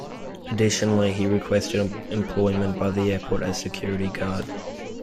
Additionally, he requested employment by the airport as a security guard.